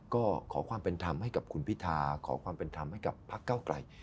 ก็ขอความเป็นธรรมให้กับคุณพิธาขอความเป็นธรรมให้กับพักเก้าไกล